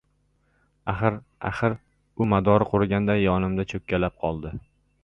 Axir... axir... - U madori quriganday yonimga cho‘kkalab qoldi.